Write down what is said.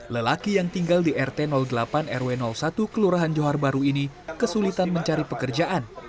lelaki yang tinggal di rt delapan rw satu kelurahan johar baru ini kesulitan mencari pekerjaan